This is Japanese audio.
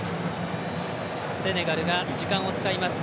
セネガルが時間を使います。